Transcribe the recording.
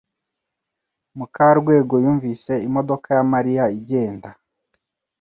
Mukarwego yumvise imodoka ya Mariya igenda.